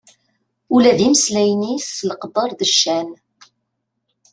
Ula d imesllayen-is s leqder d ccan.